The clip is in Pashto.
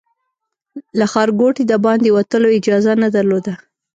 له ښارګوټي د باندې وتلو اجازه نه درلوده.